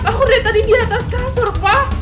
aku lihat tadi di atas kasur pak